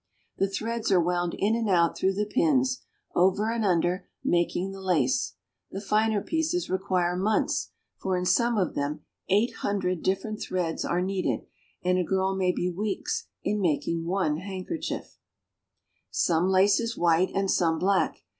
The threads are wound in and out through the pins, over and under, making the lace. The finer pieces require months, for in some of them eight hundred different threads are needed, and a girl may be weeks in making one handkerchief. A Brussels Milk Cart. Some lace is white and some black.